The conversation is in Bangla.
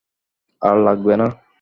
আর লাগবে না!